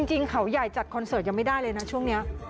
จริงเขาใหญ่จัดคอนเสิร์ตยังไม่ได้เลยนะช่วงนี้